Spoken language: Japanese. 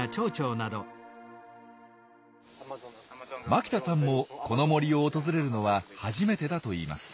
牧田さんもこの森を訪れるのは初めてだといいます。